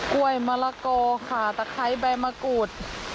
กล้วยมะละโกะขาตะไคร้ใบมะกุฎ